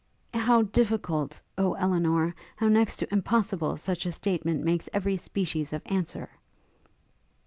'How difficult, O Elinor! how next to impossible such a statement makes every species of answer!'